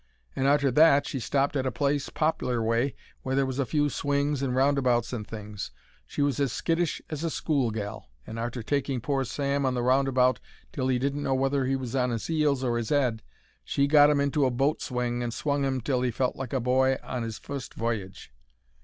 And arter that she stopped at a place Poplar way, where there was a few swings and roundabouts and things. She was as skittish as a school gal, and arter taking pore Sam on the roundabout till 'e didn't know whether he was on his 'eels or his 'ead, she got 'im into a boat swing and swung 'im till he felt like a boy on 'is fust v'y'ge.